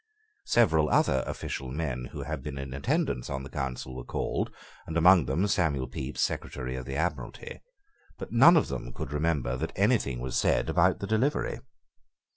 Several other official men who had been in attendance on the Council were called, and among them Samuel Pepys, Secretary of the Admiralty; but none of them could remember that anything was said about the delivery.